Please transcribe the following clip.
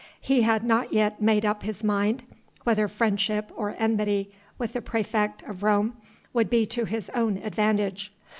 He had not yet made up his mind whether friendship or enmity with the praefect of Rome would be to his own advantage.